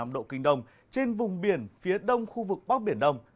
một trăm một mươi tám năm độ kinh đông trên vùng biển phía đông khu vực bắc biển đông